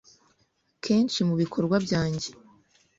kenshi mu bikorwa byange